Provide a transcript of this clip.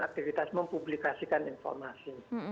aktivitas mempublikasikan informasi